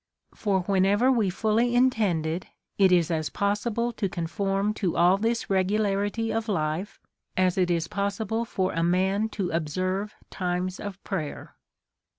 For whenever we fully intend it, it is as possible to conform to all this regularity of life, as it is possible for a man to observe times of prayer.